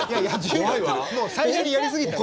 最初にやり過ぎたの！